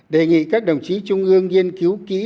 đề nghị các đồng chí trung ương nghiên cứu kỹ